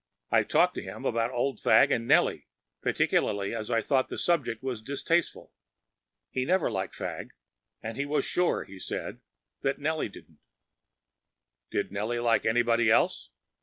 I talked to him about Old Fagg and Nellie, particularly as I thought the subject was distasteful. He never liked Fagg, and he was sure, he said, that Nellie didn’t. Did Nellie like anybody else?